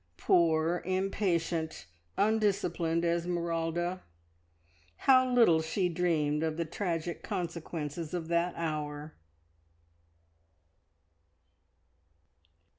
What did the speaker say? Poor, impatient, undisciplined Esmeralda! How little she dreamed of the tragic consequences of that hour!